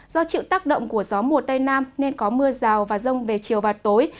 do chịu tác động của gió mùa tây nam nên có mưa rào và rông về chiều và tối